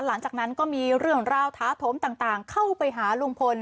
หลังจากนั้นก็มีเรื่องราวท้าถมต่างเข้าไปหาลุงพล